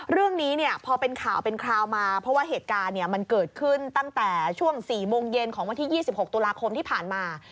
เรื่องนี้เนี่ยพอเป็นข่าวเป็นคราวมาเพราะว่าเหตุการณ์มันเกิดขึ้นตั้งแต่ช่วง๔โมงเย็นของวันที่๒๖ตุลาคมที่ผ่านมา